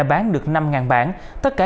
bắt đầu chính thức